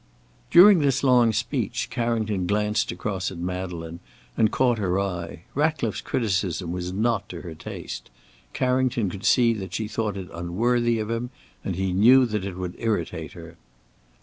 During this long speech, Carrington glanced across at Madeleine, and caught her eye. Ratcliffe's criticism was not to her taste. Carrington could see that she thought it unworthy of him, and he knew that it would irritate her.